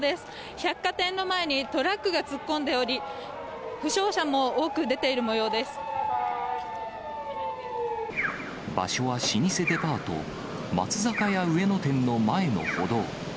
百貨店の前にトラックが突っ込んでおり、場所は老舗デパート、松坂屋上野店の前の歩道。